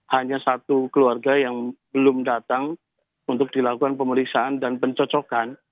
hanya satu keluarga yang belum datang untuk dilakukan pemeriksaan dan pencocokan